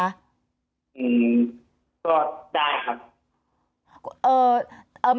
อืมก็ได้ครับ